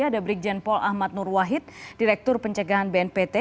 ada brigjen paul ahmad nur wahid direktur pencegahan bnpt